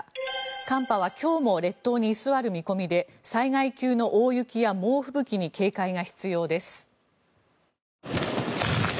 寒波は今日も列島に居座る見込みで災害級の大雪や猛吹雪に警戒が必要です。